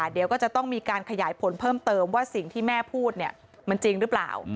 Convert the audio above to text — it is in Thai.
เดี๋ยวก็จะต้องมีการขยายผลเพิ่มเติมว่าสิ่งที่แม่พูดเนี่ยมันจริงหรือเปล่า